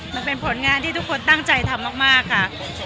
มันเป็นผลงานที่ทุกคนตั้งใจทำมากค่ะ